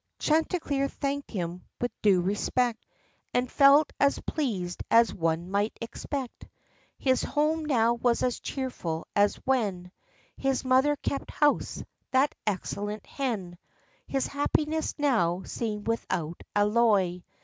Chanticleer thanked him with due respect, And felt as pleased as one might expect. His home now was as cheerful as when His mother kept house — that excellent hen ! His happiness now seemed without alloy.